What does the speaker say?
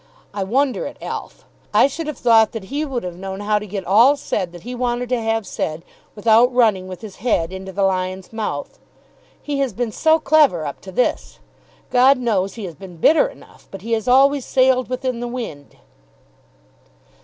I wonder at Alf. I should have thought that he would have known how to get all said that he wanted to have said without running with his head into the lion's mouth. He has been so clever up to this! God knows he has been bitter enough, but he has always sailed within the wind."